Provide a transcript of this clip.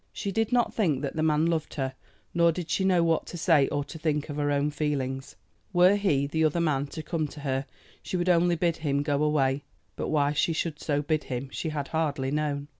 She did not think that the man loved her; nor did she know what to say or to think of her own feelings. Were he, the other man, to come to her, she would only bid him go away; but why she should so bid him she had hardly known.